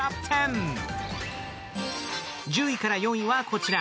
１０位から４位はこちら。